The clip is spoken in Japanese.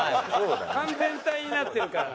完全体になってるから。